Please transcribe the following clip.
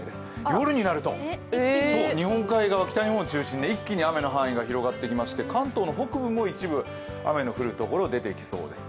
夜になると日本海側、北日本を中心に一気に雨の範囲が広がってきまして、関東の北部も一部雨の降るところ、出てきそうです。